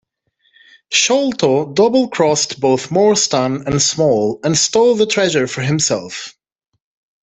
Sholto double-crossed both Morstan and Small and stole the treasure for himself.